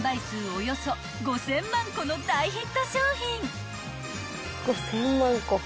およそ５，０００万個の大ヒット商品］